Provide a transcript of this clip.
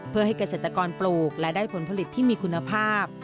เพื่อให้เกษตรกรปลูกและได้ผลผลิตที่มีคุณภาพ